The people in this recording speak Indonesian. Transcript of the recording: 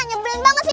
nyebelin banget sih